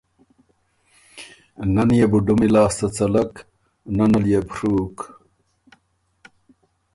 نۀ ن يې بُو ډُمی لاسته څلک نۀ نه ليې بو ڒُوک۔